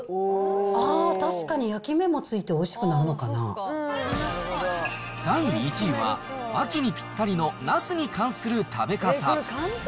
あー、確かに焼き目もついておい第１位は、秋にぴったりのなすに関する食べ方。